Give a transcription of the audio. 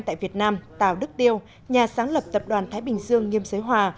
tại việt nam tào đức tiêu nhà sáng lập tập đoàn thái bình dương nghiêm giới hòa